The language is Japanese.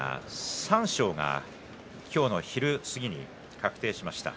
三賞は今日の昼過ぎに確定しました。